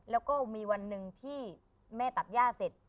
แล้วก็มีวันหนึ่งที่แม่ตัดย่าเสร็จ